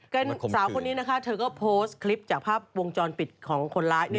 เป็นสาวคนนี้นะคะเธอก็โพสต์คลิปจากภาพวงจรปิดของคนร้าย